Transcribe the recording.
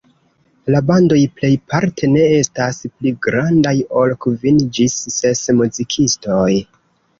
La bandoj plejparte ne estas pli grandaj ol kvin ĝis ses muzikistoj.